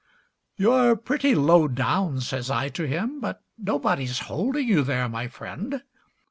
"You're pretty low down," says I to him, "But nobody's holding you there, my friend.